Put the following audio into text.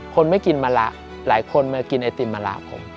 คนไม่กินมะละหลายคนมากินไอติมมะละผม